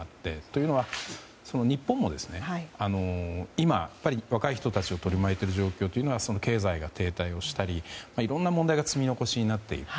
というのも日本も今、若い人たちを取り巻いている状況というのは経済が停滞をしたりいろんな問題が積み残しになっている。